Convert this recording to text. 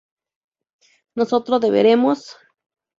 nosotros beberemos